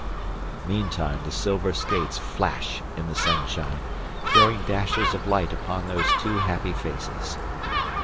Meantime the silver skates flash in the sunshine, throwing dashes of light upon those two happy faces.